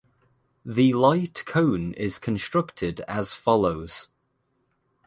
The light cone is constructed as follows.